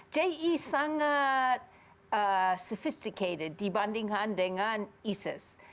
ji sangat sophisticated dibandingkan dengan isis